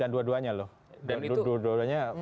dan dua duanya loh dan itu dua duanya